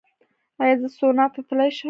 ایا زه سونا ته تلی شم؟